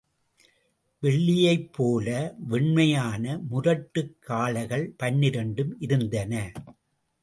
வெள்ளியைப் போல வெண்மையான முரட்டுக் காளைகள் பன்னிரண்டும் இருந்தன.